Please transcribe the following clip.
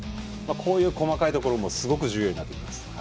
こういう細かいところもすごく重要になっていきます。